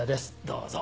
どうぞ。